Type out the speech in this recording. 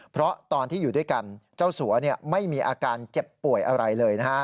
เพราะตอนที่อยู่ด้วยกันเจ้าสัวไม่มีอาการเจ็บป่วยอะไรเลยนะฮะ